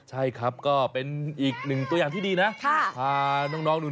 ขอให้ข้าพเจ้ามีความสุข